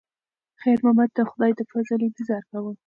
خیر محمد د خدای د فضل انتظار کاوه.